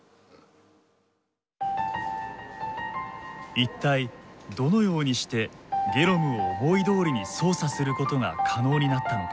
一体どのようにしてゲノムを思いどおりに操作することが可能になったのか。